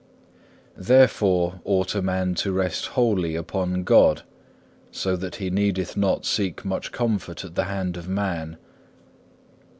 2. Therefore ought a man to rest wholly upon God, so that he needeth not seek much comfort at the hand of men.